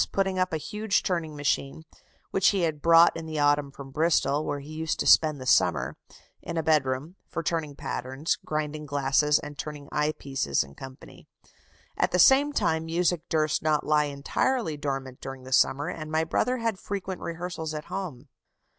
putting up a huge turning machine (which he had brought in the autumn from Bristol, where he used to spend the summer) in a bed room, for turning patterns, grinding glasses, and turning eye pieces, &c. At the same time music durst not lie entirely dormant during the summer, and my brother had frequent rehearsals at home."